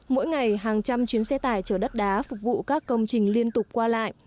mỗi ngày hàng trăm chuyến xe tải chở đất đá phục vụ các công trình liên tục qua lại